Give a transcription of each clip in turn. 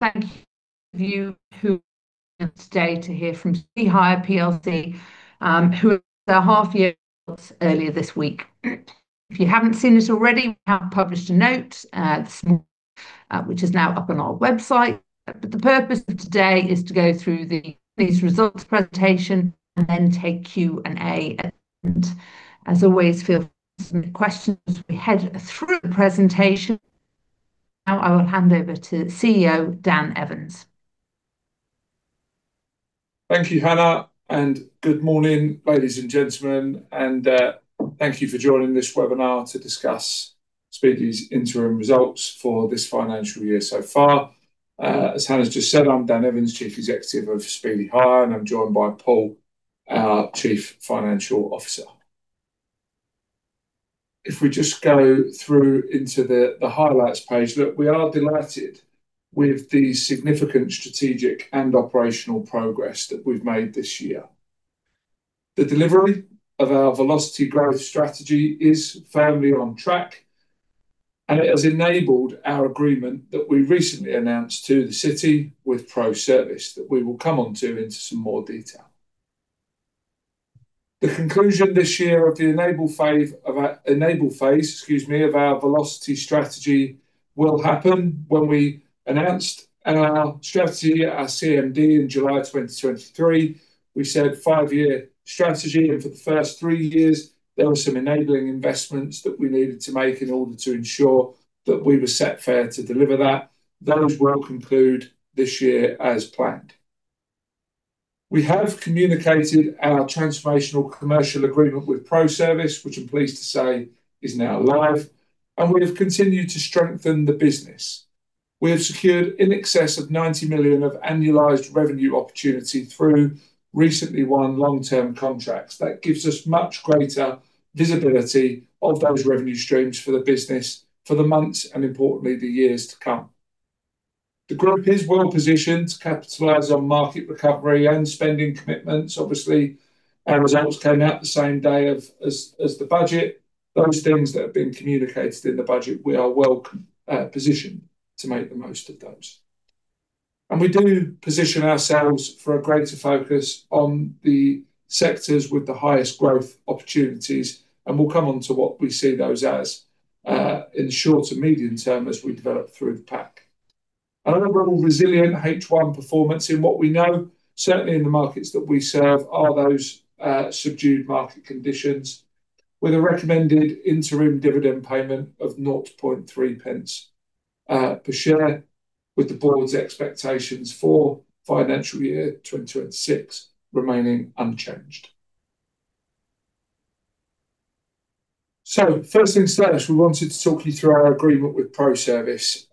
Thank you to who can stay to hear from Speedy Hire, who are half years earlier this week. If you have not seen it already, we have published a note which is now up on our website. The purpose of today is to go through these results presentation and then take Q&A. As always, feel free to submit questions as we head through the presentation. Now I will hand over to CEO Dan Evans. Thank you, Hannah, and good morning, ladies and gentlemen. Thank you for joining this webinar to discuss Speedy's interim results for this financial year so far. As Hannah just said, I'm Dan Evans, Chief Executive of Speedy Hire, and I'm joined by Paul, our Chief Financial Officer. If we just go through into the highlights page, look, we are delighted with the significant strategic and operational progress that we've made this year. The delivery of our velocity growth strategy is firmly on track, and it has enabled our agreement that we recently announced to the city with ProService that we will come on to into some more detail. The conclusion this year of the enable phase, excuse me, of our Velocity Strategy will happen when we announced our strategy at our CMD in July 2023. We said five-year strategy, and for the first three years, there were some enabling investments that we needed to make in order to ensure that we were set fair to deliver that. Those will conclude this year as planned. We have communicated our transformational commercial agreement with ProService, which I'm pleased to say is now live, and we have continued to strengthen the business. We have secured in excess of 90 million of annualized revenue opportunity through recently won long-term contracts. That gives us much greater visibility of those revenue streams for the business for the months and, importantly, the years to come. The group is well positioned to capitalize on market recovery and spending commitments. Obviously, our results came out the same day as the budget. Those things that have been communicated in the budget, we are well positioned to make the most of those. We do position ourselves for a greater focus on the sectors with the highest growth opportunities, and we'll come on to what we see those as in the short to medium term as we develop through the pack. Another resilient H1 performance in what we know, certainly in the markets that we serve, are those subdued market conditions with a recommended interim dividend payment of 0.003 per share, with the board's expectations for financial year 2026 remaining unchanged. First things first, we wanted to talk you through our agreement with ProService,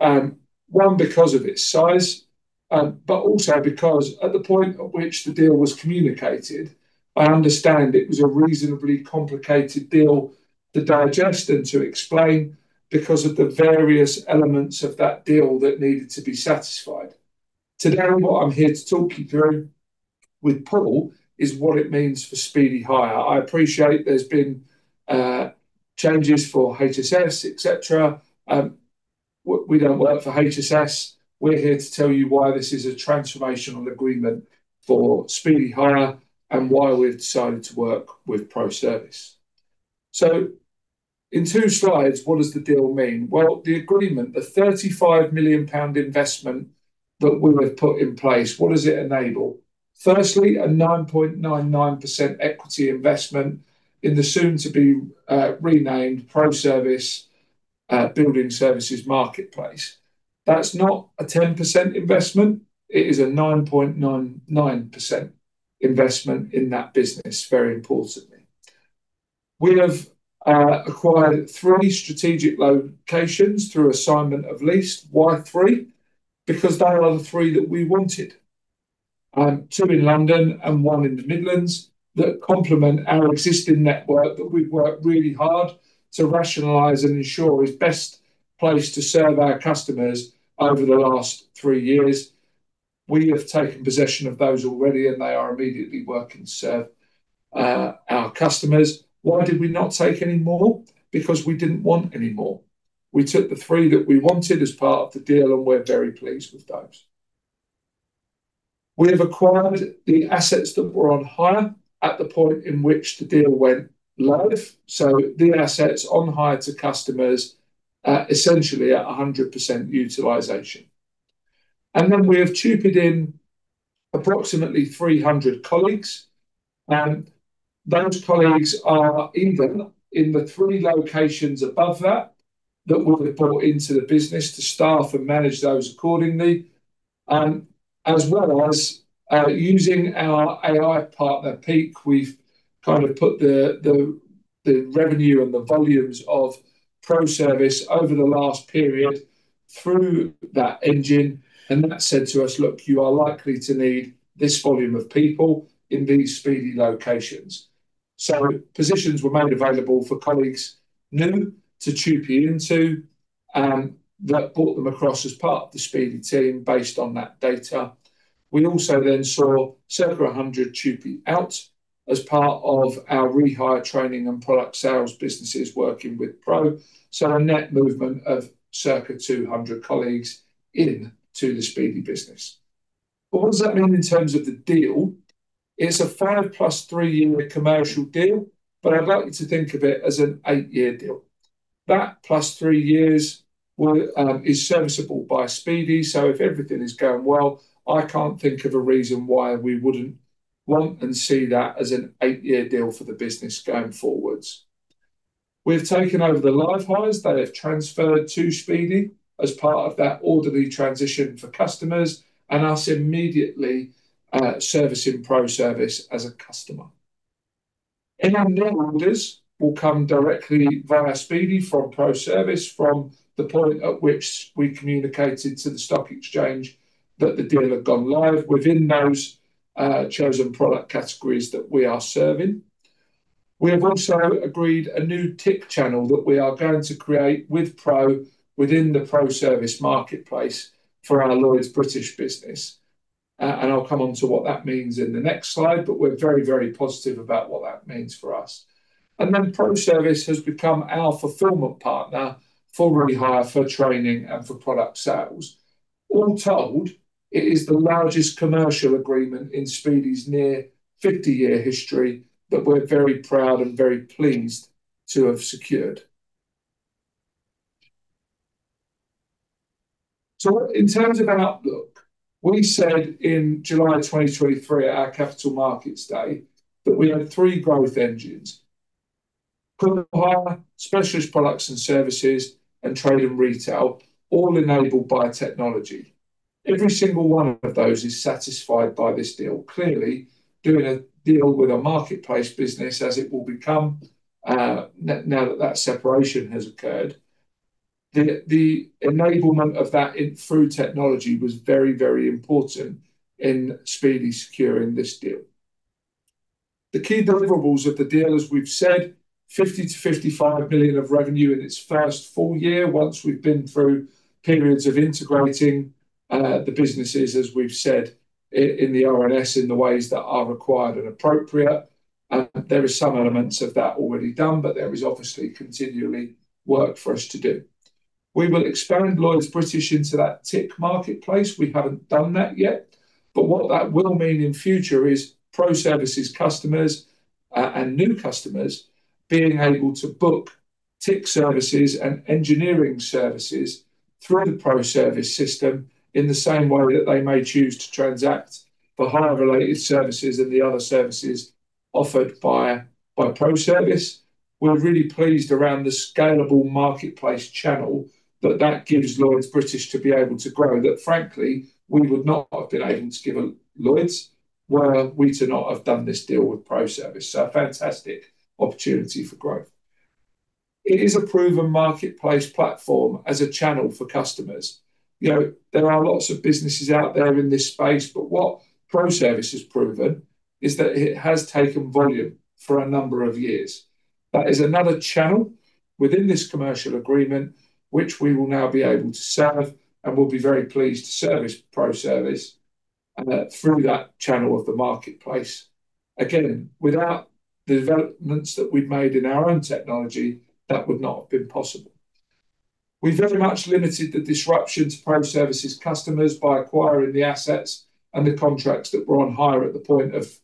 one because of its size, but also because at the point at which the deal was communicated, I understand it was a reasonably complicated deal to digest and to explain because of the various elements of that deal that needed to be satisfied. Today, what I'm here to talk you through with Paul is what it means for Speedy Hire. I appreciate there's been changes for HSS, etc. We don't work for HSS. We're here to tell you why this is a transformational agreement for Speedy Hire and why we've decided to work with ProService. In two slides, what does the deal mean? The agreement, the 35 million pound investment that we have put in place, what does it enable? Firstly, a 9.99% equity investment in the soon-to-be-renamed ProService Building Services Marketplace. That's not a 10% investment. It is a 9.99% investment in that business, very importantly. We have acquired three strategic locations through assignment of lease. Why three? Because they are the three that we wanted, two in London and one in the Midlands, that complement our existing network that we've worked really hard to rationalize and ensure is best placed to serve our customers over the last three years. We have taken possession of those already, and they are immediately working to serve our customers. Why did we not take any more? Because we didn't want anymore. We took the three that we wanted as part of the deal, and we're very pleased with those. We have acquired the assets that were on hire at the point in which the deal went live. So the assets on hire to customers are essentially at 100% utilization. And then we have chipped in approximately 300 colleagues. Those colleagues are even in the three locations above that that we've brought into the business to staff and manage those accordingly. As well as using our AI partner, peak, we've kind of put the revenue and the volumes of ProService over the last period through that engine. That said to us, "Look, you are likely to need this volume of people in these Speedy locations." Positions were made available for colleagues new to TUPE into that, brought them across as part of the Speedy team based on that data. We also then saw circa 100 TUPE out as part of our rehire training and product sales businesses working with ProService. A net movement of circa 200 colleagues into the Speedy business. What does that mean in terms of the deal? It's a five-plus three-year commercial deal, but I'd like you to think of it as an eight-year deal. That plus three years is serviceable by Speedy. If everything is going well, I can't think of a reason why we wouldn't want and see that as an eight-year deal for the business going forwards. We've taken over the live hires. They have transferred to Speedy as part of that orderly transition for customers and us immediately servicing ProService as a customer. In our net orders, we'll come directly via Speedy from ProService from the point at which we communicated to the stock exchange that the deal had gone live within those chosen product categories that we are serving. We have also agreed a new tick channel that we are going to create with Pro within the ProService Marketplace for our Lloyd's British business. I'll come on to what that means in the next slide, but we're very, very positive about what that means for us. ProService has become our fulfillment partner for rehire, for training, and for product sales. All told, it is the largest commercial agreement in Speedy's near 50-year history that we're very proud and very pleased to have secured. In terms of outlook, we said in July 2023 at our capital markets day that we had three growth engines: Pro Hire, specialist products and services, and trade and retail, all enabled by technology. Every single one of those is satisfied by this deal. Clearly, doing a deal with a marketplace business, as it will become now that that separation has occurred, the enablement of that through technology was very, very important in Speedy securing this deal. The key deliverables of the deal, as we've said, 50 million-55 million of revenue in its first full year once we've been through periods of integrating the businesses, as we've said, in the R&S in the ways that are required and appropriate. There are some elements of that already done, but there is obviously continually work for us to do. We will expand Lloyd's British into that tick marketplace. We haven't done that yet. What that will mean in future is Pro Service's customers and new customers being able to book tick services and engineering services through the Pro Service system in the same way that they may choose to transact for hire-related services and the other services offered by Pro Service. We're really pleased around the scalable marketplace channel that that gives Lloyd's British to be able to grow that, frankly, we would not have been able to give Lloyd's were we to not have done this deal with ProService. A fantastic opportunity for growth. It is a proven marketplace platform as a channel for customers. There are lots of businesses out there in this space, but what ProService has proven is that it has taken volume for a number of years. That is another channel within this commercial agreement, which we will now be able to serve and will be very pleased to service ProService through that channel of the marketplace. Again, without the developments that we've made in our own technology, that would not have been possible. We very much limited the disruption to ProService customers by acquiring the assets and the contracts that were on hire at the point of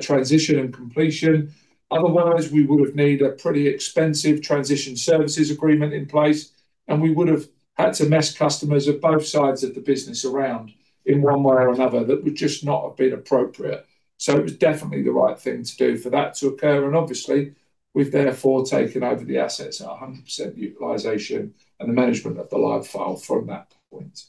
transition and completion. Otherwise, we would have needed a pretty expensive transition services agreement in place, and we would have had to mess customers at both sides of the business around in one way or another that would just not have been appropriate. It was definitely the right thing to do for that to occur. Obviously, we have therefore taken over the assets at 100% utilization and the management of the live file from that point.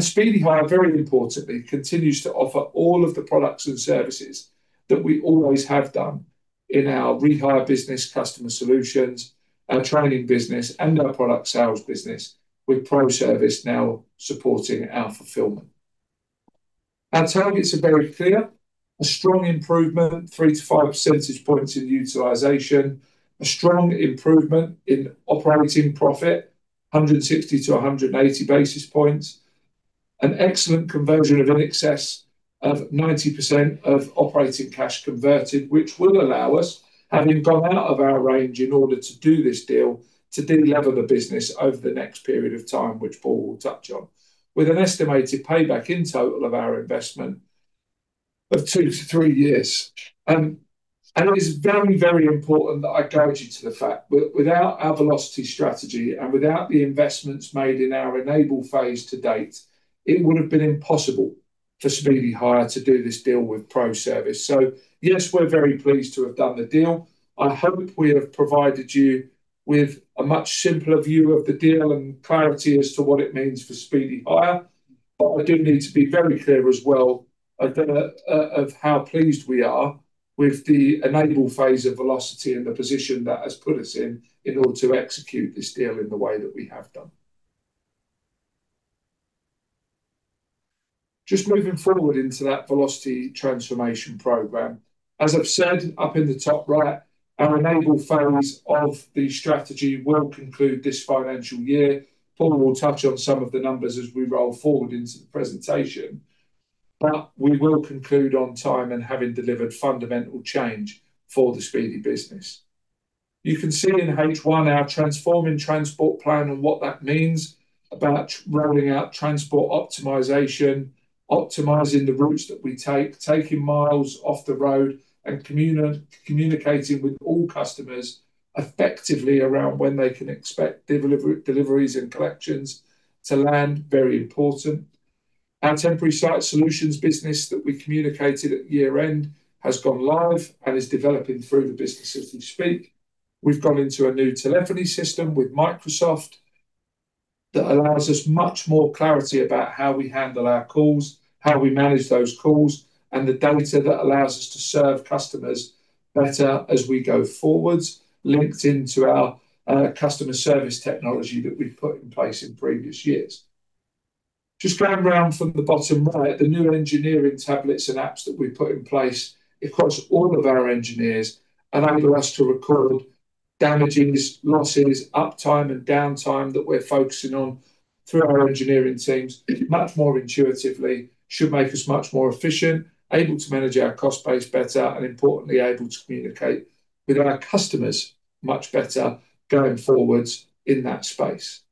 Speedy Hire, very importantly, continues to offer all of the products and services that we always have done in our rehire business customer solutions, our training business, and our product sales business with ProService now supporting our fulfillment. Our targets are very clear. A strong improvement, three to five percentage points in utilization, a strong improvement in operating profit, 160 to 180 basis points, an excellent conversion of in excess of 90% of operating cash converted, which will allow us, having gone out of our range in order to do this deal, to de-level the business over the next period of time, which Paul will touch on, with an estimated payback in total of our investment of two to three years. It is very, very important that I go to the fact that without Velocity Strategy and without the investments made in our enable phase to date, it would have been impossible for Speedy Hire to do this deal with ProService. Yes, we're very pleased to have done the deal. I hope we have provided you with a much simpler view of the deal and clarity as to what it means for Speedy Hire. I do need to be very clear as well of how pleased we are with the enable phase of velocity and the position that has put us in in order to execute this deal in the way that we have done. Just moving forward into that velocity transformation program, as I've said, up in the top right, our enable phase of the strategy will conclude this financial year. Paul will touch on some of the numbers as we roll forward into the presentation. We will conclude on time and having delivered fundamental change for the Speedy business. You can see in H1 our transforming transport plan and what that means about rolling out transport optimization, optimizing the routes that we take, taking miles off the road, and communicating with all customers effectively around when they can expect deliveries and collections to land. Very important. Our temporary site solutions business that we communicated at year-end has gone live and is developing through the business as we speak. We've gone into a new telephony system with Microsoft that allows us much more clarity about how we handle our calls, how we manage those calls, and the data that allows us to serve customers better as we go forwards, linked into our customer service technology that we've put in place in previous years. Just going around from the bottom right, the new engineering tablets and apps that we've put in place across all of our engineers enable us to record damages, losses, uptime, and downtime that we're focusing on through our engineering teams much more intuitively, should make us much more efficient, able to manage our cost base better, and importantly, able to communicate with our customers much better going forwards in that space.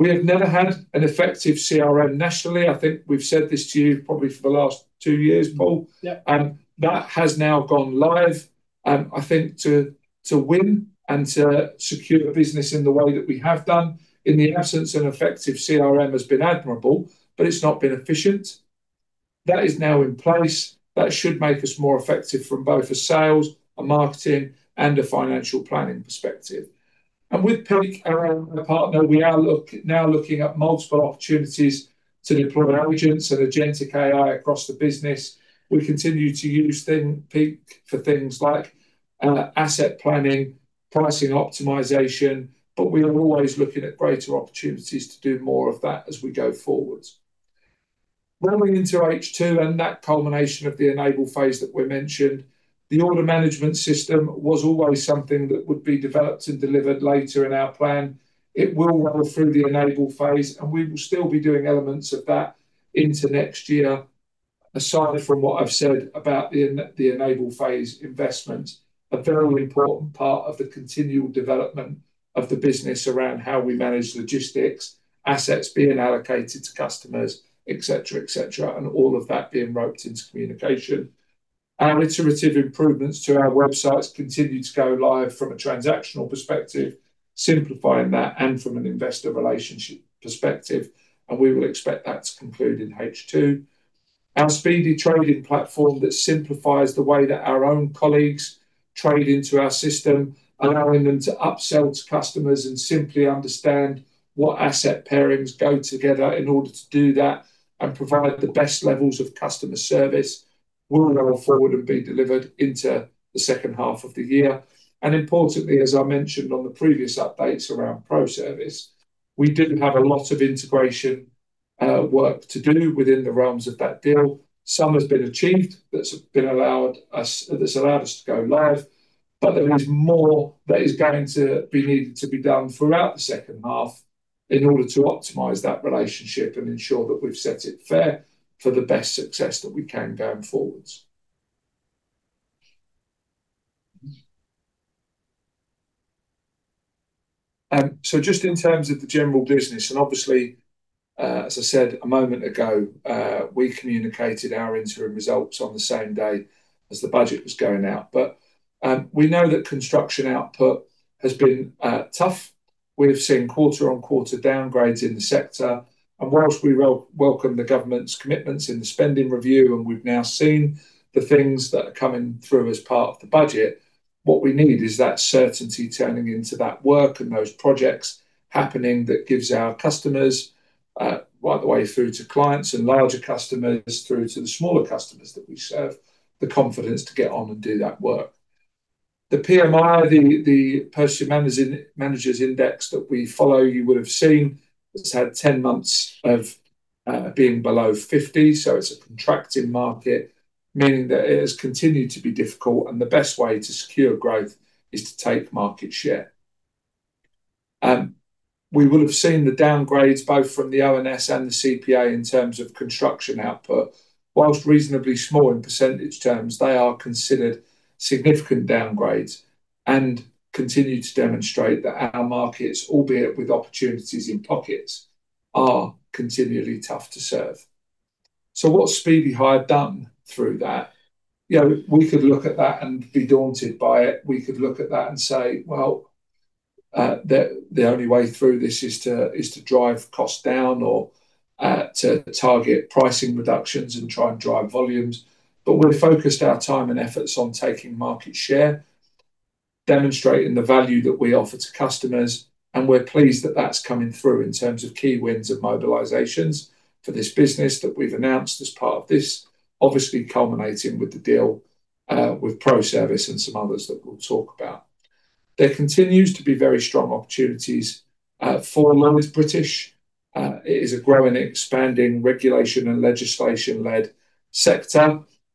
We have never had an effective CRM nationally. I think we've said this to you probably for the last two years, Paul. That has now gone live, I think, to win and to secure business in the way that we have done. In the absence, an effective CRM has been admirable, but it's not been efficient. That is now in place. That should make us more effective from both a sales, a marketing, and a financial planning perspective. With peak, our partner, we are now looking at multiple opportunities to deploy agents and agentic AI across the business. We continue to use peak for things like asset planning, pricing optimization, but we are always looking at greater opportunities to do more of that as we go forwards. Running into H2 and that culmination of the enable phase that we mentioned, the order management system was always something that would be developed and delivered later in our plan. It will roll through the enable phase, and we will still be doing elements of that into next year. Aside from what I've said about the enable phase investment, a very important part of the continual development of the business around how we manage logistics, assets being allocated to customers, etc., etc., and all of that being roped into communication. Our iterative improvements to our websites continue to go live from a transactional perspective, simplifying that and from an investor relationship perspective. We will expect that to conclude in H2. Our Speedy trading platform that simplifies the way that our own colleagues trade into our system, allowing them to upsell to customers and simply understand what asset pairings go together in order to do that and provide the best levels of customer service will roll forward and be delivered into the second half of the year. Importantly, as I mentioned on the previous updates around ProService, we do have a lot of integration work to do within the realms of that deal. Some has been achieved that's allowed us to go live, but there is more that is going to be needed to be done throughout the second half in order to optimize that relationship and ensure that we've set it fair for the best success that we can going forwards. Just in terms of the general business, and obviously, as I said a moment ago, we communicated our interim results on the same day as the budget was going out. We know that construction output has been tough. We've seen quarter-on-quarter downgrades in the sector. Whilst we welcome the government's commitments in the spending review, and we've now seen the things that are coming through as part of the budget, what we need is that certainty turning into that work and those projects happening that gives our customers right the way through to clients and larger customers through to the smaller customers that we serve, the confidence to get on and do that work. The PMI, the Purchasing Managers' Index that we follow, you would have seen, has had 10 months of being below 50. It is a contracting market, meaning that it has continued to be difficult, and the best way to secure growth is to take market share. We will have seen the downgrades both from the ONS and the CPA in terms of construction output. Whilst reasonably small in % terms, they are considered significant downgrades and continue to demonstrate that our markets, albeit with opportunities in pockets, are continually tough to serve. What's Speedy Hire done through that? We could look at that and be daunted by it. We could look at that and say, the only way through this is to drive costs down or to target pricing reductions and try and drive volumes. We've focused our time and efforts on taking market share, demonstrating the value that we offer to customers, and we're pleased that that's coming through in terms of key wins of mobilizations for this business that we've announced as part of this, obviously culminating with the deal with ProService and some others that we'll talk about. There continues to be very strong opportunities for Lloyd's British. It is a growing and expanding regulation and legislation-led sector.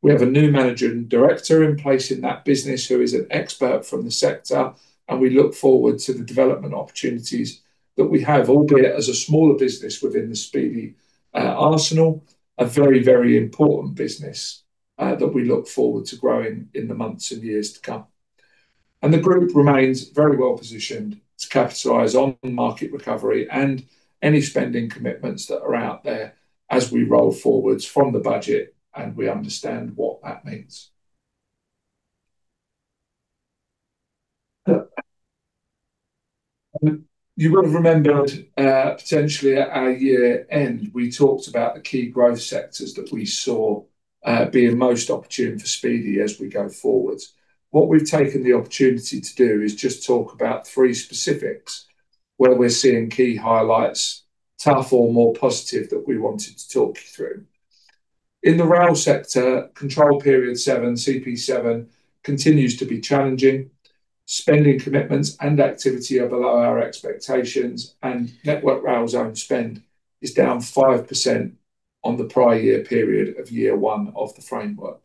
We have a new manager and director in place in that business who is an expert from the sector, and we look forward to the development opportunities that we have, albeit as a smaller business within the Speedy arsenal, a very, very important business that we look forward to growing in the months and years to come. The group remains very well positioned to capitalize on market recovery and any spending commitments that are out there as we roll forwards from the budget, and we understand what that means. You will have remembered potentially at our year-end, we talked about the key growth sectors that we saw being most opportune for Speedy as we go forwards. What we've taken the opportunity to do is just talk about three specifics where we're seeing key highlights, tough or more positive, that we wanted to talk you through. In the rail sector, control period seven, CP7, continues to be challenging. Spending commitments and activity are below our expectations, and Network Rail's own spend is down 5% on the prior year period of year one of the framework.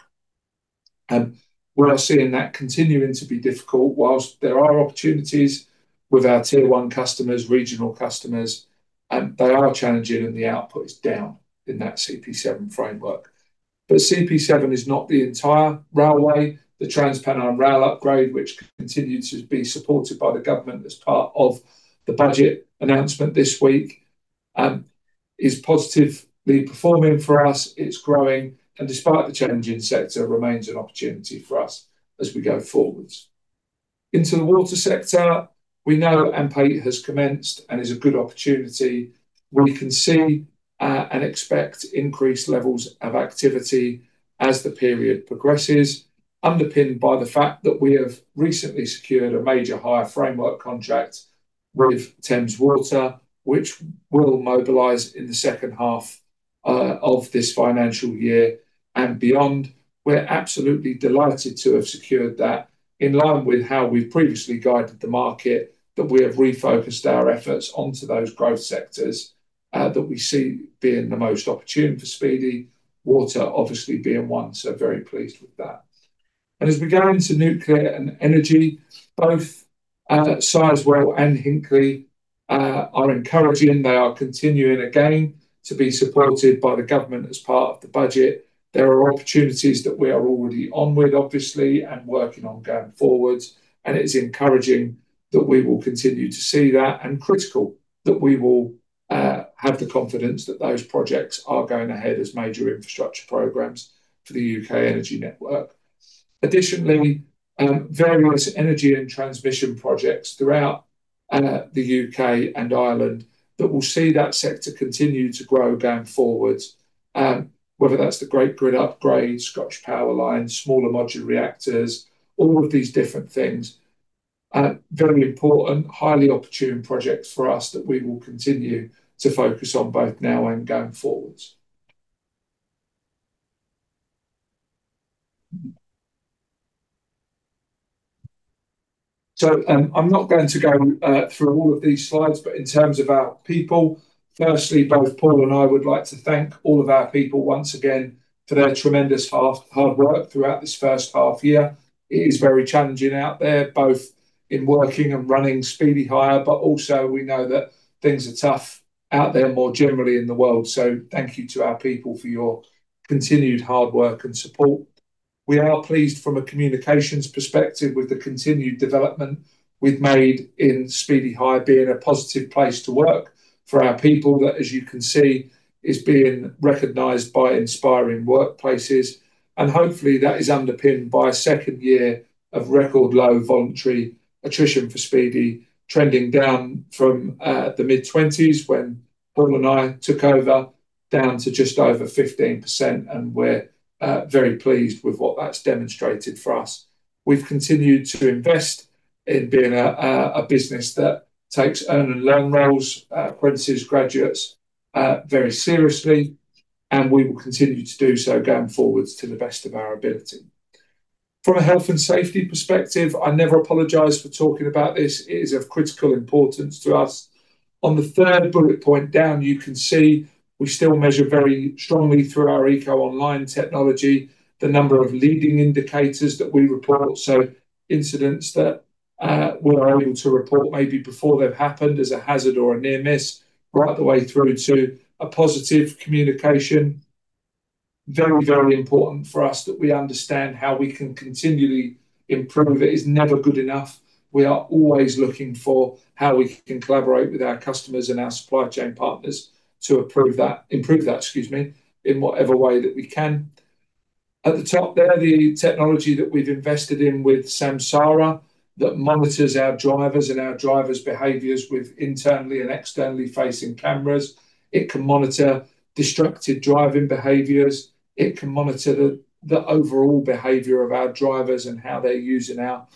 We're seeing that continuing to be difficult. Whilst there are opportunities with our tier one customers, regional customers, they are challenging, and the output is down in that CP7 framework. CP7 is not the entire railway. The Transpennine Route Upgrade, which continues to be supported by the government as part of the budget announcement this week, is positively performing for us. It's growing, and despite the change in sector, remains an opportunity for us as we go forwards. Into the water sector, we know AMP has commenced and is a good opportunity. We can see and expect increased levels of activity as the period progresses, underpinned by the fact that we have recently secured a major hire framework contract with Thames Water, which will mobilize in the second half of this financial year and beyond. We are absolutely delighted to have secured that in line with how we have previously guided the market, that we have refocused our efforts onto those growth sectors that we see being the most opportune for Speedy, water obviously being one. Very pleased with that. As we go into nuclear and energy, both Sizewell and Hinkley are encouraging. They are continuing again to be supported by the government as part of the budget. There are opportunities that we are already on with, obviously, and working on going forwards. It is encouraging that we will continue to see that and critical that we will have the confidence that those projects are going ahead as major infrastructure programs for the U.K. energy network. Additionally, various energy and transmission projects throughout the U.K. and Ireland that will see that sector continue to grow going forwards, whether that's the Great Grid Upgrade, Scotch power line, smaller modular reactors, all of these different things. Very important, highly opportune projects for us that we will continue to focus on both now and going forwards. I am not going to go through all of these slides, but in terms of our people, firstly, both Paul and I would like to thank all of our people once again for their tremendous hard work throughout this first half year. It is very challenging out there, both in working and running Speedy Hire, but also we know that things are tough out there more generally in the world. Thank you to our people for your continued hard work and support. We are pleased from a communications perspective with the continued development we've made in Speedy Hire being a positive place to work for our people that, as you can see, is being recognized by Inspiring Workplaces. Hopefully, that is underpinned by a second year of record low voluntary attrition for Speedy, trending down from the mid-20s when Paul and I took over down to just over 15%. We are very pleased with what that's demonstrated for us. We've continued to invest in being a business that takes earned and learned roles, apprentices, graduates very seriously, and we will continue to do so going forwards to the best of our ability. From a health and safety perspective, I never apologize for talking about this. It is of critical importance to us. On the third bullet point down, you can see we still measure very strongly through our EcoOnline technology, the number of leading indicators that we report. So incidents that we're able to report maybe before they've happened as a hazard or a near miss, right the way through to a positive communication. Very, very important for us that we understand how we can continually improve. It is never good enough. We are always looking for how we can collaborate with our customers and our supply chain partners to improve that, excuse me, in whatever way that we can. At the top there, the technology that we've invested in with Samsara that monitors our drivers and our drivers' behaviors with internally and externally facing cameras. It can monitor destructive driving behaviors. It can monitor the overall behavior of our drivers and how they're using our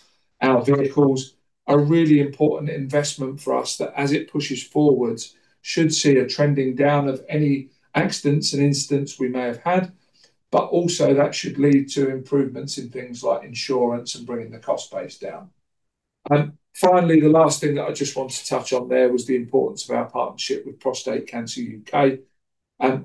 vehicles. A really important investment for us that, as it pushes forwards, should see a trending down of any accidents and incidents we may have had, but also that should lead to improvements in things like insurance and bringing the cost base down. Finally, the last thing that I just want to touch on there was the importance of our partnership with Prostate Cancer UK.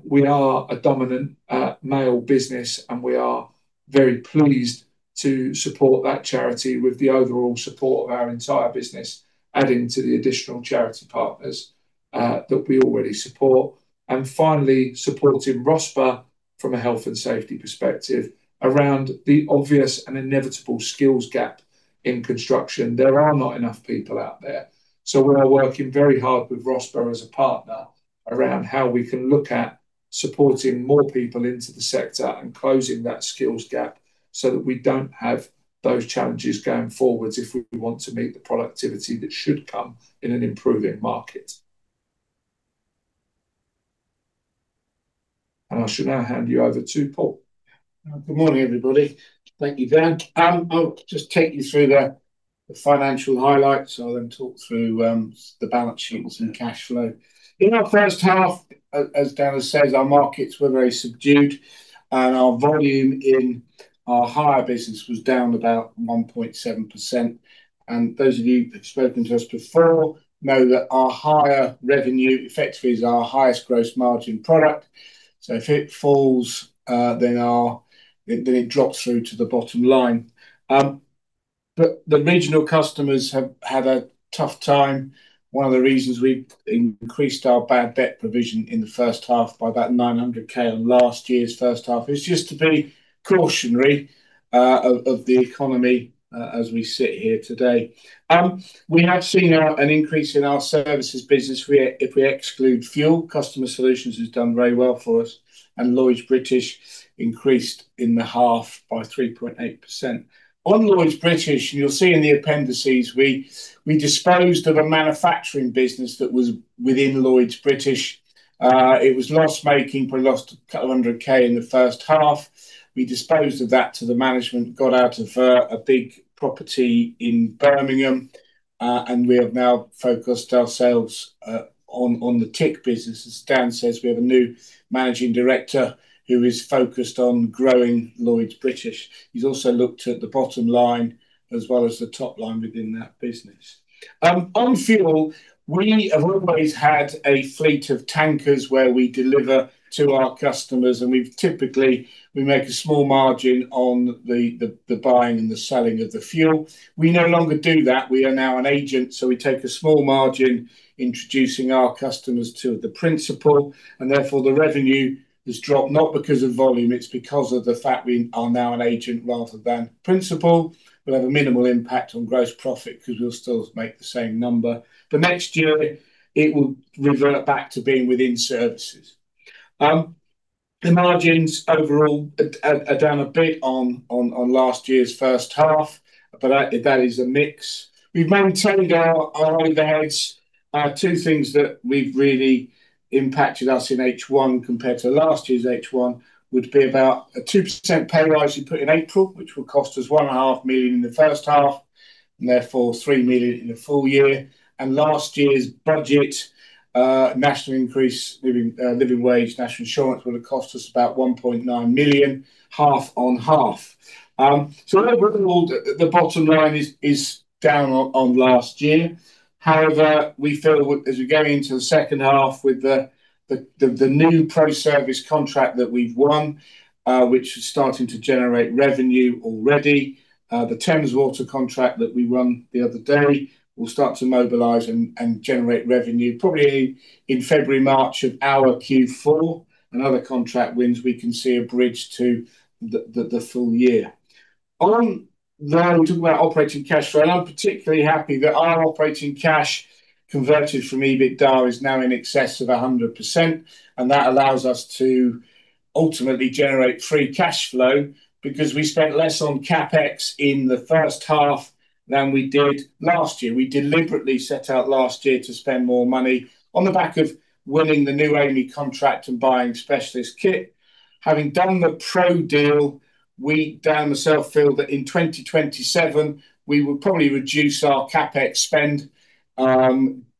We are a dominant male business, and we are very pleased to support that charity with the overall support of our entire business, adding to the additional charity partners that we already support. Finally, supporting Rosper from a health and safety perspective around the obvious and inevitable skills gap in construction. There are not enough people out there. We are working very hard with Rosper as a partner around how we can look at supporting more people into the sector and closing that skills gap so that we do not have those challenges going forwards if we want to meet the productivity that should come in an improving market. I should now hand you over to Paul. Good morning, everybody. Thank you, Dan. I will just take you through the financial highlights. I will then talk through the balance sheets and cash flow. In our first half, as Dan has said, our markets were very subdued, and our volume in our hire business was down about 1.7%. Those of you who've spoken to us before know that our hire revenue effectively is our highest gross margin product. If it falls, then it drops through to the bottom line. The regional customers have a tough time. One of the reasons we increased our bad debt provision in the first half by about 900,000 over last year's first half is just to be cautionary of the economy as we sit here today. We have seen an increase in our services business. If we exclude fuel, customer solutions has done very well for us, and Lloyd's British increased in the half by 3.8%. On Lloyd's British, you'll see in the appendices, we disposed of a manufacturing business that was within Lloyd's British. It was loss-making, but we lost a couple of hundred K in the first half. We disposed of that to the management, got out of a big property in Birmingham, and we have now focused ourselves on the tick business. As Dan says, we have a new managing director who is focused on growing Lloyd's British. He's also looked at the bottom line as well as the top line within that business. On fuel, we have always had a fleet of tankers where we deliver to our customers, and we make a small margin on the buying and the selling of the fuel. We no longer do that. We are now an agent, so we take a small margin introducing our customers to the principal, and therefore the revenue has dropped, not because of volume, it's because of the fact we are now an agent rather than principal. We'll have a minimal impact on gross profit because we'll still make the same number. Next year, it will revert back to being within services. The margins overall are down a bit on last year's first half, but that is a mix. We've maintained our overheads. Two things that have really impacted us in H1 compared to last year's H1 would be about a 2% pay rise we put in April, which will cost us 1.5 million in the first half, and therefore three million in the full year. Last year's budget, national increase, living wage, national insurance would have cost us about 1.9 million, half on half. Overall, the bottom line is down on last year. However, we feel as we go into the second half with the new ProService contract that we've won, which is starting to generate revenue already, the Thames Water contract that we won the other day will start to mobilize and generate revenue probably in February, March of our Q4. Other contract wins, we can see a bridge to the full year. On there, we talk about operating cash flow. I'm particularly happy that our operating cash converted from EBITDA is now in excess of 100%, and that allows us to ultimately generate free cash flow because we spent less on CapEx in the first half than we did last year. We deliberately set out last year to spend more money on the back of winning the new AMI contract and buying specialist kit. Having done the Pro deal, we down the self-field that in 2027, we will probably reduce our CapEx spend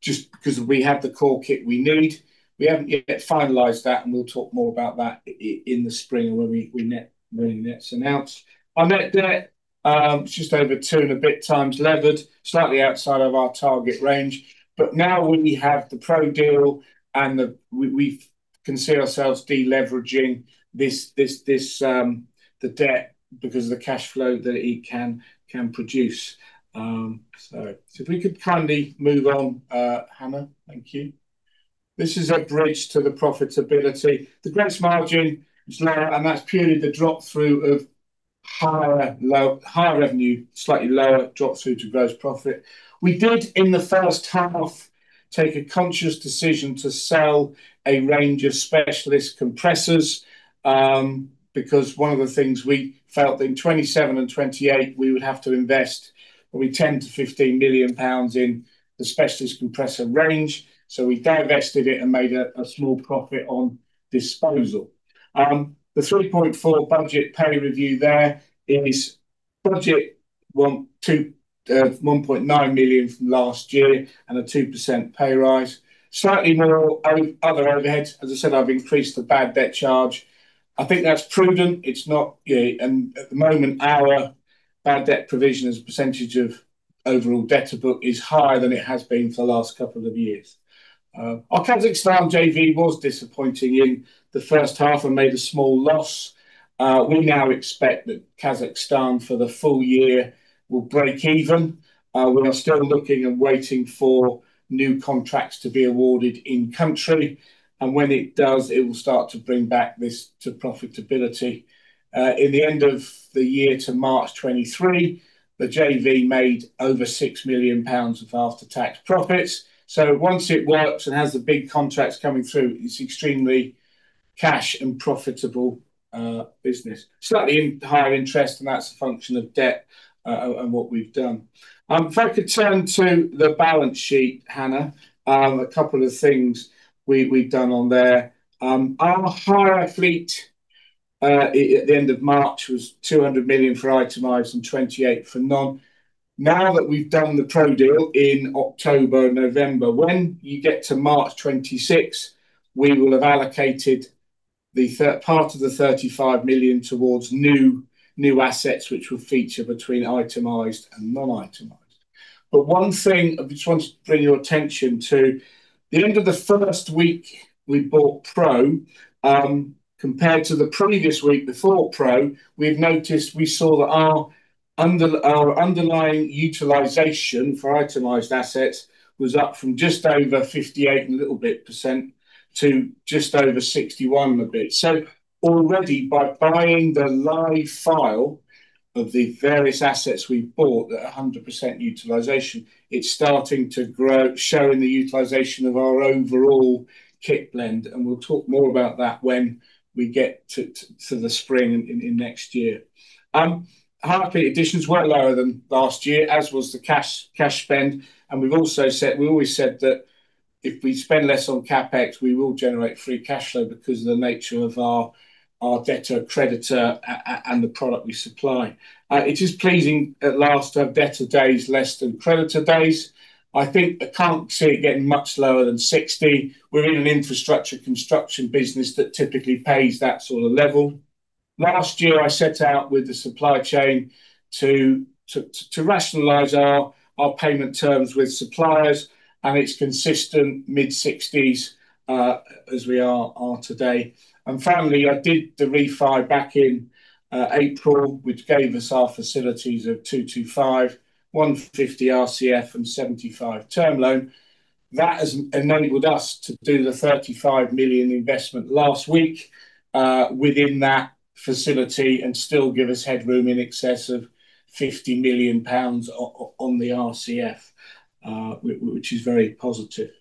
just because we have the core kit we need. We have not yet finalized that, and we will talk more about that in the spring when we next announce. Our net debt is just over two and a bit times levered, slightly outside of our target range. Now we have the Pro deal, and we can see ourselves deleveraging the debt because of the cash flow that it can produce. If we could kindly move on, Hannah, thank you. This is a bridge to the profitability. The gross margin is lower, and that is purely the drop-through of higher revenue, slightly lower drop-through to gross profit. We did, in the first half, take a conscious decision to sell a range of specialist compressors because one of the things we felt in 2027 and 2028, we would have to invest probably 10 million-15 million pounds in the specialist compressor range. We divested it and made a small profit on disposal. The 3.4 budget pay review there is budget 1.9 million from last year and a 2% pay rise. Slightly more other overheads. As I said, I've increased the bad debt charge. I think that's prudent. At the moment, our bad debt provision as a percentage of overall debt is higher than it has been for the last couple of years. Our Kazakhstan JV was disappointing in the first half and made a small loss. We now expect that Kazakhstan for the full year will break even. We are still looking and waiting for new contracts to be awarded in country. When it does, it will start to bring back this to profitability. In the end of the year to March 2023, the JV made over six million pounds of after-tax profits. Once it works and has the big contracts coming through, it is an extremely cash and profitable business. Slightly higher interest, and that is a function of debt and what we have done. If I could turn to the balance sheet, Hannah, a couple of things we have done on there. Our hire fleet at the end of March was 200 million for itemized and 28 million for non. Now that we have done the Pro deal in October and November, when you get to March 2026, we will have allocated part of the 35 million towards new assets, which will feature between itemized and non-itemized. One thing I just want to bring your attention to, the end of the first week we bought Pro, compared to the previous week before Pro, we've noticed we saw that our underlying utilization for itemized assets was up from just over 58% and a little bit to just over 61% and a bit. Already, by buying the live file of the various assets we bought, that 100% utilization, it's starting to show in the utilization of our overall kit blend. We'll talk more about that when we get to the spring in next year. Our equity additions were lower than last year, as was the cash spend. We've also said, we always said that if we spend less on CapEx, we will generate free cash flow because of the nature of our debtor-creditor and the product we supply. It is pleasing at last to have debtor days less than creditor days. I think I can't see it getting much lower than 60. We're in an infrastructure construction business that typically pays that sort of level. Last year, I set out with the supply chain to rationalize our payment terms with suppliers, and it's consistent mid-60s as we are today. Finally, I did the refi back in April, which gave us our facilities of 225 million, 150 million RCF, and 75 million term loan. That has enabled us to do the 35 million investment last week within that facility and still give us headroom in excess of 50 million pounds on the RCF, which is very positive.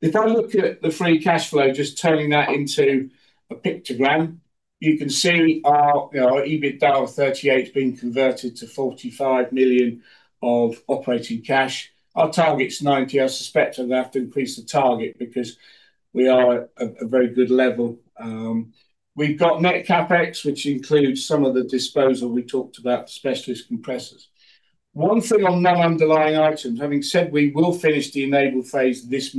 If I look at the free cash flow, just turning that into a pictogram, you can see our EBITDA of 38 million being converted to 45 million of operating cash. Our target's 90. I suspect I'm going to have to increase the target because we are at a very good level. We've got net CapEx, which includes some of the disposal we talked about, specialist compressors. One thing on non-underlying items, having said we will finish the enable phase this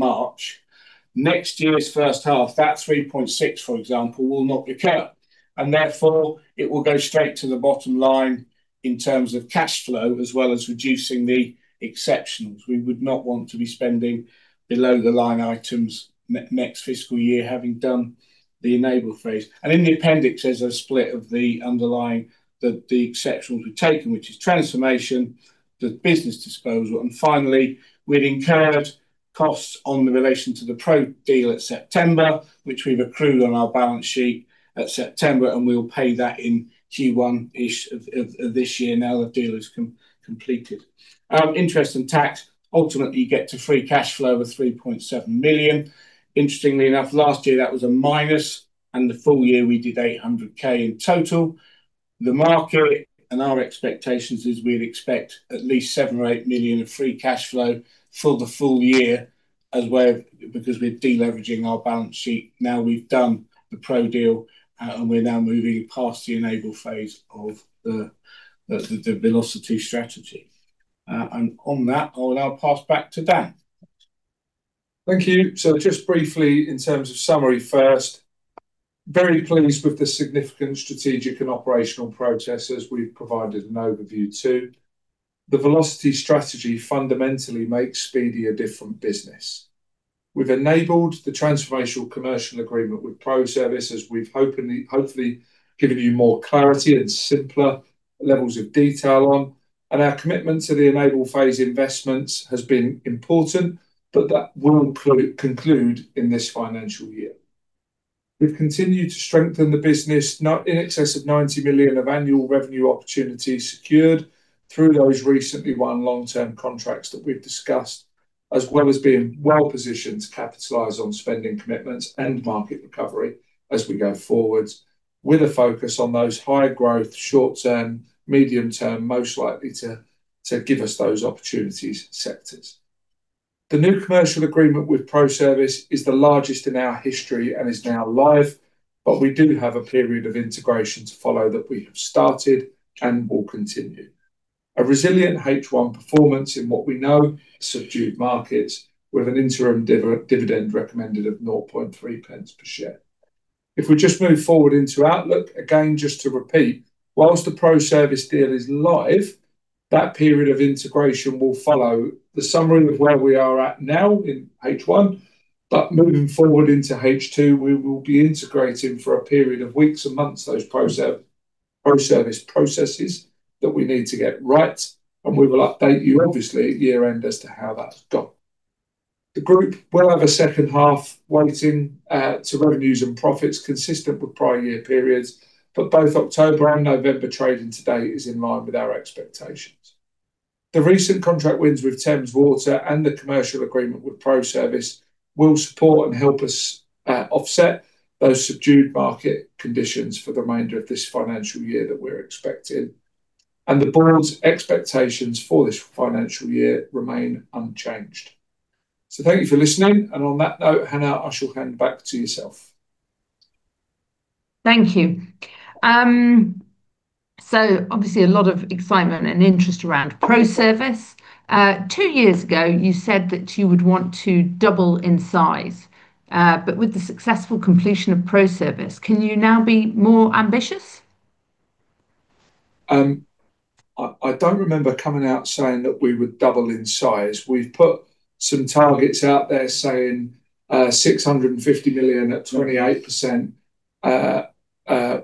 March, next year's first half, that 3.6 million, for example, will not recur. It will go straight to the bottom line in terms of cash flow as well as reducing the exceptionals. We would not want to be spending below the line items next fiscal year, having done the enable phase. In the appendix, there's a split of the underlying that the exceptionals we've taken, which is transformation, the business disposal. Finally, we've incurred costs in relation to the Pro deal at September, which we've accrued on our balance sheet at September, and we'll pay that in Q1-ish of this year now that deal is completed. Interest and tax, ultimately, you get to free cash flow of 3.7 million. Interestingly enough, last year, that was a minus, and the full year, we did 800,000 in total. The market and our expectations is we'd expect at least 7-8 million of free cash flow for the full year as well because we're deleveraging our balance sheet. Now we've done the Pro deal, and we're now moving past the enable phase of the Velocity Strategy. On that, I'll now pass back to Dan. Thank you. Just briefly, in terms of summary first, very pleased with the significant strategic and operational processes we've provided an overview to. The Velocity Strategy fundamentally makes Speedy a different business. We have enabled the transformational commercial agreement with ProService, as we have hopefully given you more clarity and simpler levels of detail on. Our commitment to the enable phase investments has been important, but that will conclude in this financial year. We have continued to strengthen the business, not in excess of 90 million of annual revenue opportunities secured through those recently won long-term contracts that we have discussed, as well as being well-positioned to capitalize on spending commitments and market recovery as we go forward, with a focus on those high-growth, short-term, medium-term most likely to give us those opportunities sectors. The new commercial agreement with ProService is the largest in our history and is now live. We do have a period of integration to follow that we have started and will continue. A resilient H1 performance in what we know. Subdued markets with an interim dividend recommended of 0.003 per share. If we just move forward into Outlook, again, just to repeat, whilst the ProService deal is live, that period of integration will follow the summary of where we are at now in H1, but moving forward into H2, we will be integrating for a period of weeks and months those ProService processes that we need to get right, and we will update you, obviously, at year-end as to how that's gone. The group will have a second half weighting to revenues and profits consistent with prior year periods, but both October and November trading today is in line with our expectations. The recent contract wins with Thames Water and the commercial agreement with ProService will support and help us offset those subdued market conditions for the remainder of this financial year that we're expecting. The board's expectations for this financial year remain unchanged. Thank you for listening. On that note, Hannah, I shall hand back to yourself. Thank you. Obviously, a lot of excitement and interest around ProService. Two years ago, you said that you would want to double in size, but with the successful completion of ProService, can you now be more ambitious? I don't remember coming out saying that we would double in size. We've put some targets out there saying 650 million at 28%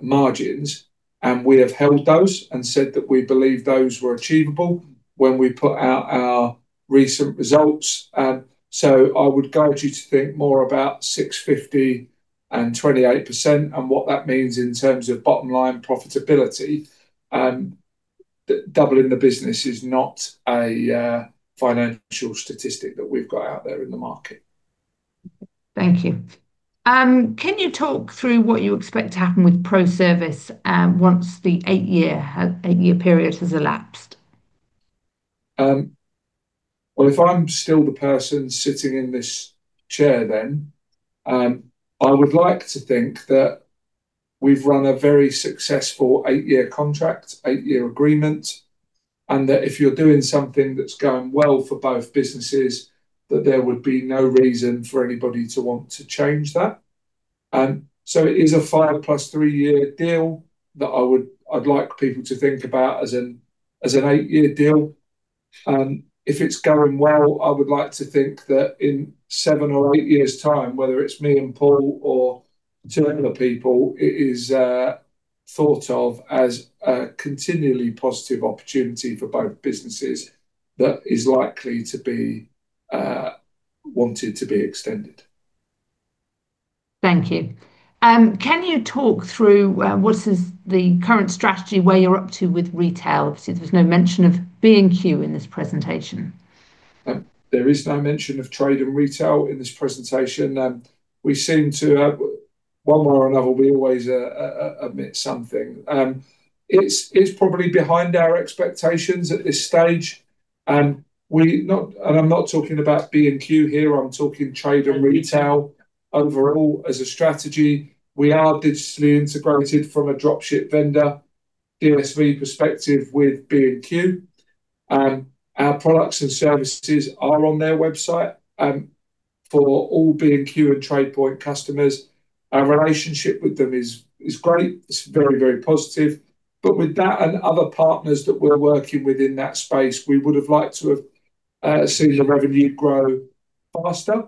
margins, and we have held those and said that we believe those were achievable when we put out our recent results. I would guide you to think more about 650 and 28% and what that means in terms of bottom line profitability. Doubling the business is not a financial statistic that we've got out there in the market. Thank you. Can you talk through what you expect to happen with ProService once the eight-year period has elapsed? If I'm still the person sitting in this chair then, I would like to think that we've run a very successful eight-year contract, eight-year agreement, and that if you're doing something that's going well for both businesses, there would be no reason for anybody to want to change that. It is a five-plus three-year deal that I'd like people to think about as an eight-year deal. If it's going well, I would like to think that in seven or eight years' time, whether it's me and Paul or the terminal people, it is thought of as a continually positive opportunity for both businesses that is likely to be wanted to be extended. Thank you. Can you talk through what is the current strategy, where you're up to with retail? There's no mention of B&Q in this presentation. There is no mention of trade and retail in this presentation. We seem to, one way or another, we always admit something. It's probably behind our expectations at this stage. I'm not talking about B&Q here. I'm talking trade and retail overall as a strategy. We are digitally integrated from a dropship vendor DSV perspective with B&Q. Our products and services are on their website for all B&Q and TradePoint customers. Our relationship with them is great. It's very, very positive. With that and other partners that we're working with in that space, we would have liked to have seen the revenue grow faster.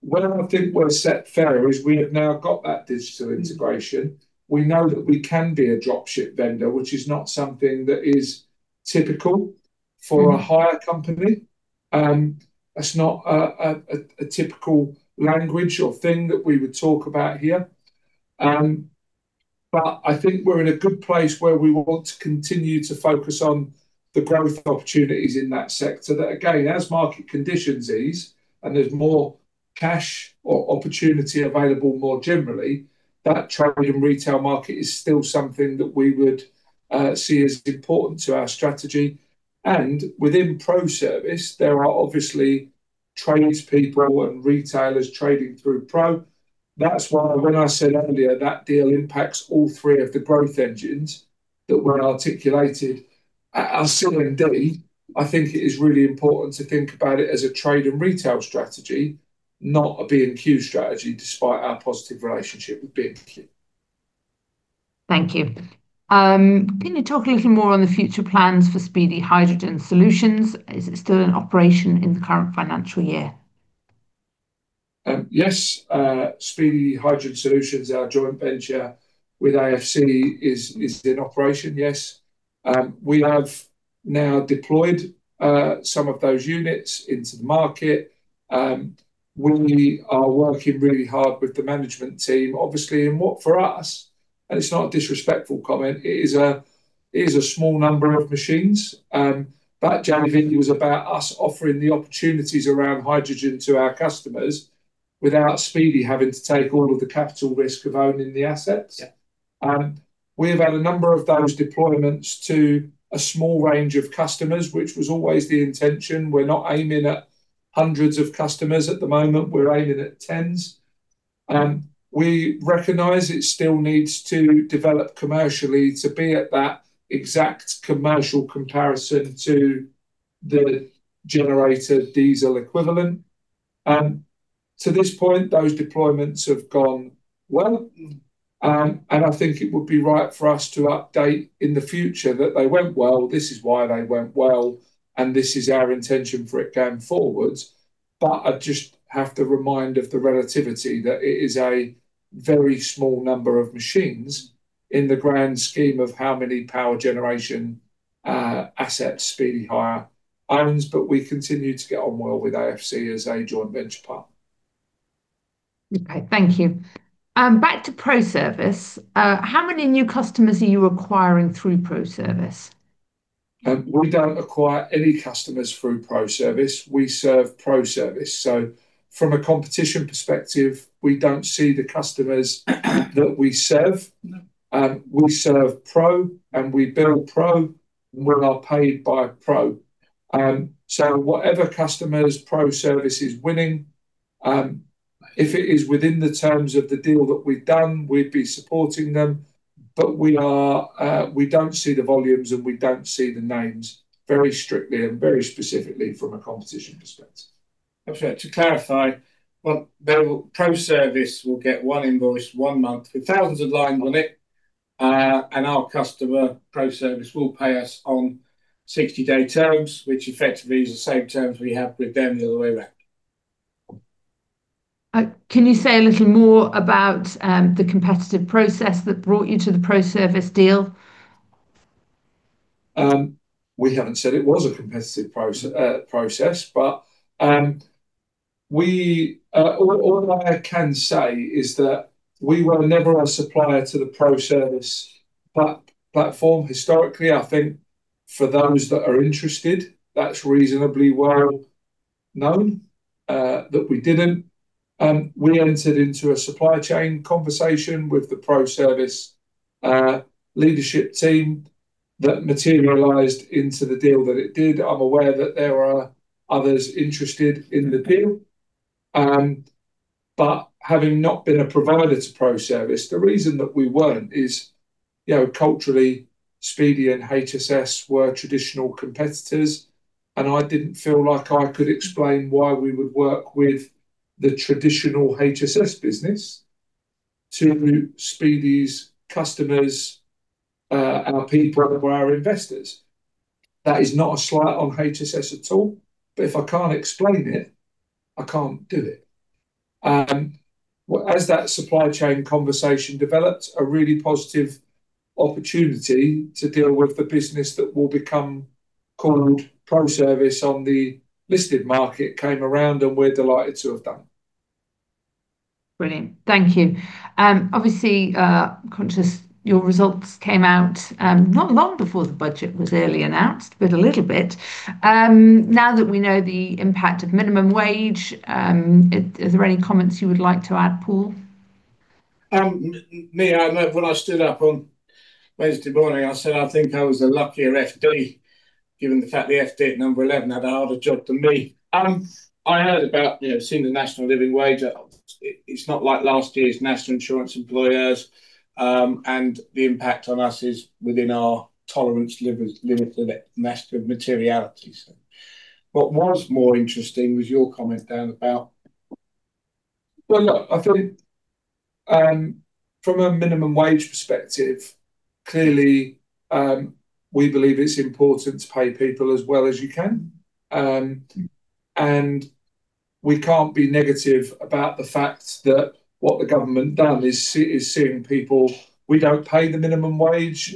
Where I think we're set fair is we have now got that digital integration. We know that we can be a dropship vendor, which is not something that is typical for a hire company. That's not a typical language or thing that we would talk about here. I think we're in a good place where we want to continue to focus on the growth opportunities in that sector. Again, as market conditions ease and there's more cash or opportunity available more generally, that trade and retail market is still something that we would see as important to our strategy. Within ProService, there are obviously tradespeople and retailers trading through Pro. That's why when I said earlier that deal impacts all three of the growth engines that were articulated at our CND, I think it is really important to think about it as a trade and retail strategy, not a B&Q strategy despite our positive relationship with B&Q. Thank you. Can you talk a little more on the future plans for Speedy Hydrogen Solutions? Is it still in operation in the current financial year? Yes. Speedy Hydrogen Solutions, our joint venture with AFC Energy, is in operation, yes. We have now deployed some of those units into the market. We are working really hard with the management team, obviously, and for us, and it's not a disrespectful comment, it is a small number of machines. That Javen, it was about us offering the opportunities around hydrogen to our customers without Speedy having to take all of the capital risk of owning the assets. We have had a number of those deployments to a small range of customers, which was always the intention. We're not aiming at hundreds of customers at the moment. We're aiming at 10s. We recognize it still needs to develop commercially to be at that exact commercial comparison to the generator diesel equivalent. To this point, those deployments have gone well. I think it would be right for us to update in the future that they went well. This is why they went well. This is our intention for it going forwards. I just have to remind of the relativity that it is a very small number of machines in the grand scheme of how many power generation assets Speedy Hire owns. We continue to get on well with AFC as a joint venture partner. Okay. Thank you. Back to Pro Service. How many new customers are you acquiring through Pro Service? We do not acquire any customers through Pro Service. We serve Pro Service. From a competition perspective, we do not see the customers that we serve. We serve Pro, and we build Pro, and we are paid by Pro. Whatever customers Pro Service is winning, if it is within the terms of the deal that we have done, we would be supporting them. We do not see the volumes, and we do not see the names very strictly and very specifically from a competition perspective. To clarify, ProService will get one invoice one month with thousands of lines on it. Our customer, ProService, will pay us on 60-day terms, which effectively is the same terms we have with them the other way around. Can you say a little more about the competitive process that brought you to the ProService deal? We have not said it was a competitive process, but all I can say is that we were never a supplier to the ProService platform. Historically, I think for those that are interested, that is reasonably well known that we did not. We entered into a supply chain conversation with the ProService leadership team that materialized into the deal that it did. I am aware that there are others interested in the deal. Having not been a provider to ProService, the reason that we were not is culturally, Speedy and HSS were traditional competitors. I did not feel like I could explain why we would work with the traditional HSS business to Speedy's customers, our people, or our investors. That is not a slight on HSS at all. If I cannot explain it, I cannot do it. As that supply chain conversation developed, a really positive opportunity to deal with the business that will become called ProService on the listed market came around, and we are delighted to have done it. Brilliant. Thank you. Obviously, your results came out not long before the budget was early announced, but a little bit. Now that we know the impact of minimum wage, are there any comments you would like to add, Paul? Me, when I stood up on Wednesday morning, I said I think I was a luckier FD given the fact the FD at number 11 had a harder job than me. I heard about, seeing the national living wage, it's not like last year's national insurance employers. The impact on us is within our tolerance limit of materiality. What was more interesting was your comment down about. Look, I think from a minimum wage perspective, clearly, we believe it's important to pay people as well as you can. We can't be negative about the fact that what the government has done is seeing people. We don't pay the minimum wage.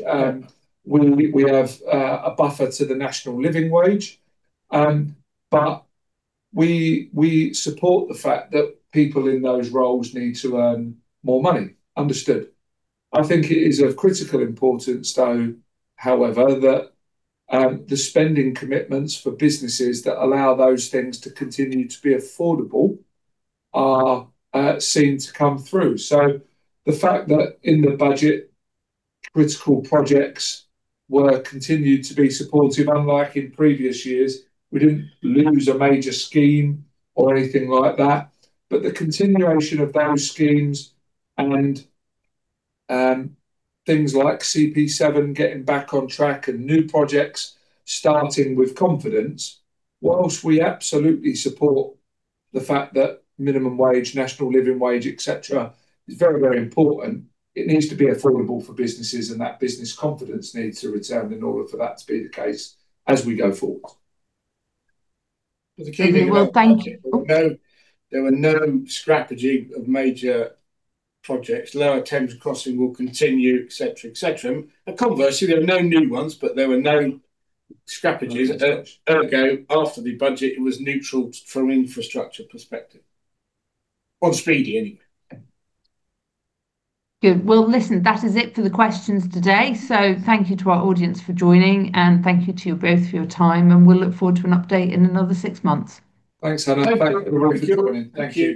We have a buffer to the national living wage. We support the fact that people in those roles need to earn more money. Understood. I think it is of critical importance, though, however, that the spending commitments for businesses that allow those things to continue to be affordable are seen to come through. The fact that in the budget, critical projects were continued to be supported, unlike in previous years, we did not lose a major scheme or anything like that. The continuation of those schemes and things like CP7 getting back on track and new projects starting with confidence, whilst we absolutely support the fact that minimum wage, national living wage, etc., is very, very important, it needs to be affordable for businesses, and that business confidence needs to return in order for that to be the case as we go forward. Thank you. There were no scrappery of major projects. Lower Thames Crossing will continue, etc., etc. Conversely, there were no new ones, but there were no scrappery after the budget. It was neutral from an infrastructure perspective on Speedy anyway. Good. That is it for the questions today. Thank you to our audience for joining, and thank you to you both for your time. We'll look forward to an update in another six months. Thanks, Hannah. Thank you for joining. Thank you.